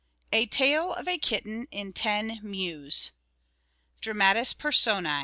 A Tale of a Kitten, in Ten "Mews." _Dramatis Personæ.